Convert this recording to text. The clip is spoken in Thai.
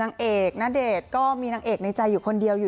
ยังมีอะไม่มีอะไรอยู่แล้วค่ะ